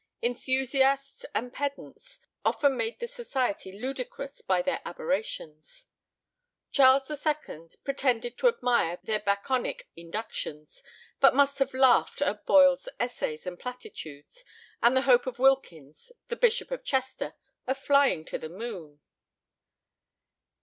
Enthusiasts and pedants often made the society ludicrous by their aberrations. Charles II. pretended to admire their Baconic inductions, but must have laughed at Boyle's essays and platitudes, and the hope of Wilkins, the Bishop of Chester, of flying to the moon.